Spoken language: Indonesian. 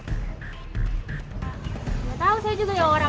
tidak tahu saya juga yang orang